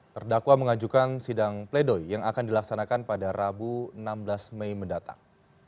terdakwa mengajukan sidang pledoi yang akan dilaksanakan pada rabu enam belas mei mendatang